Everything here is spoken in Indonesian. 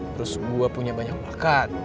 terus gue punya banyak bakat